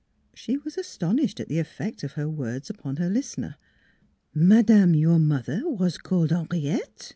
She was astonished at the effect of her words upon her listener. " Madame, your mother, was called Henri ette?"